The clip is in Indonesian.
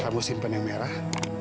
kamu simpan yang merah